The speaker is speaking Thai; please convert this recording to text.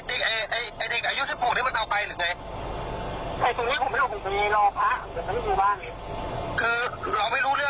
ใช่ตรงนี้ผมไม่รู้ผมไปรอพระแต่มันไม่ถูกบ้าง